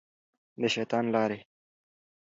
د شیطان لارې.